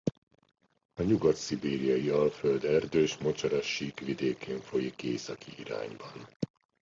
A Nyugat-szibériai-alföld erdős-mocsaras sík vidékén folyik északi irányban.